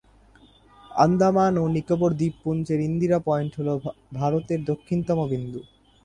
আন্দামান ও নিকোবর দ্বীপপুঞ্জের ইন্দিরা পয়েন্ট হল ভারতের দক্ষিণতম বিন্দু।